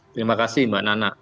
terima kasih mbak nana